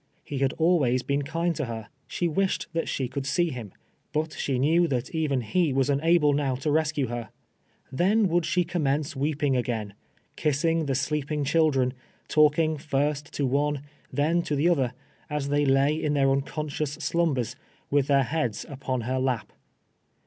IFe had always been kind to her. She wished that she could see him ; but she knew that even he Avas imable now to rescue her. Then would slie commence weejiing again — ki>siiig the sleeping children — talking lirst to one, then to the other, as they lay in their unc(^nscious slumbei's, with their heads upon her hip.